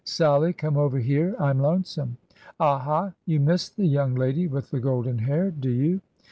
Sallie, come over here ! I 'm lonesome.'' A ha ! you miss the young lady with the golden hair, do you